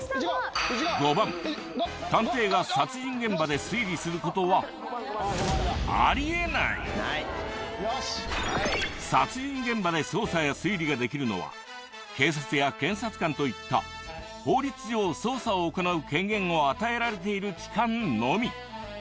５番探偵が殺人現場で推理することは殺人現場で捜査や推理ができるのは警察や検察官といった法律上捜査を行なう権限を与えられている機関のみ。